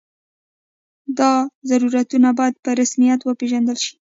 دا ضرورتونه باید په رسمیت وپېژندل شي.